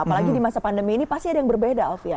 apalagi di masa pandemi ini pasti ada yang berbeda alfian